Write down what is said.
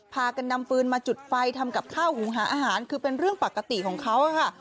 พากันนำฟืนมาจุดไฟทำกับข้าวหุงหาอาหารคือเป็นเรื่องปกติของเขาค่ะ